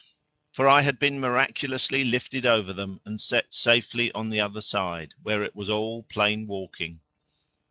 For I had been miraculously lifted over them and set safely down on the other side, where it was all plain walking.